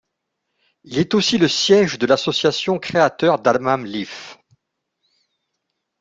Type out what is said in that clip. Il est aussi le siège de l'association Créateurs d'Hammam Lif.